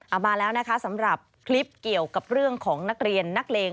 เอามาแล้วนะคะสำหรับคลิปเกี่ยวกับเรื่องของนักเรียนนักเลง